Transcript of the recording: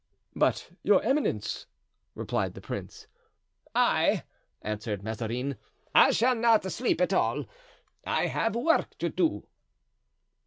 "But your eminence?" replied the prince. "I," answered Mazarin, "I shall not sleep at all; I have work to do."